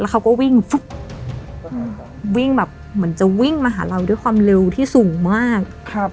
เขาก็วิ่งวิ่งแบบเหมือนจะวิ่งมาหาเราด้วยความเร็วที่สูงมาก